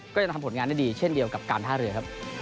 ก็จะทำผลงานได้ดีเช่นเดียวกับการท่าเรือครับ